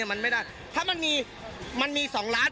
มันไม่ได้ถ้ามันมี๒ล้าน